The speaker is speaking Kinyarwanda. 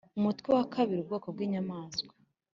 umutwe wa kabiri ubwoko bw inyamaswa